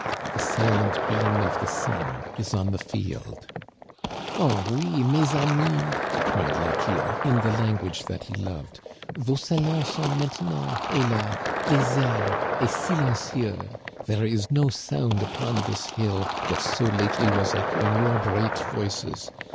The silent beam of the sun is on the field/ ^^Oh! Oui! Mes amis/ cried Lochiel, in the lan guage that he loved, " vos salons sont maintenant^ hélas I deserts et silencieux ! There is no sound upon this hill which so lately was echoing your bright voices.